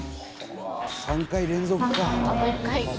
３回連続か。